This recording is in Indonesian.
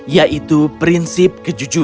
yaitu prinsip kejujuran